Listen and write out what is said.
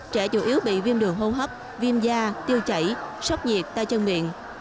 trẻ chủ yếu bị viêm đường hô hấp viêm da tiêu chảy sốc nhiệt tay chân miệng